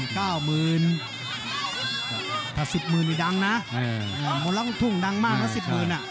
ถ้าสิบหมื่นมีดังนะทุ่งดังมากแล้วสิบหมื่น